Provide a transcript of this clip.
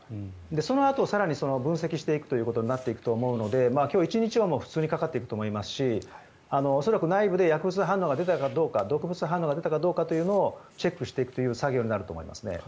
そのあと、更に分析していくということになっていくと思うので今日１日は普通にかかっていくと思いますし恐らく内部で薬物反応が出たかどうか毒物反応が出たかどうかをチェックしていくという作業になると思いますね。